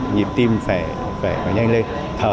nhịp tim phải nhanh lên thở